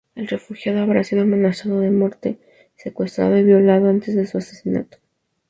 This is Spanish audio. El refugiado habría sido amenazado de muerte, secuestrado y violado antes de su asesinato.